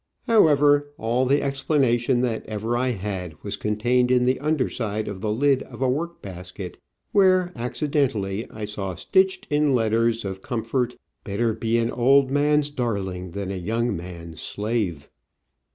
However, all the explanation that ever I had was contained in the underside of the lid of a work basket, where, accidentally, I saw stitched, in letters of com fort, '' Better be an old man's darling than a young man's slave.''